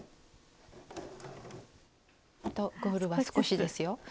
あとゴールは少しですよ。